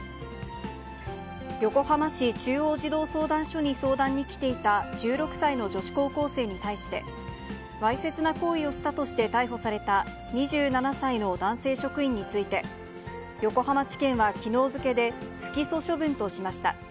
横浜市中央児童相談所に相談に来ていた１６歳の女子高校生に対して、わいせつな行為をしたとして逮捕された２７歳の男性職員について、横浜地検はきのう付けで、不起訴処分としました。